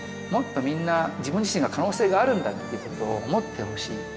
もっとみんな、自分自身が可能性があるんだってことを思ってほしい。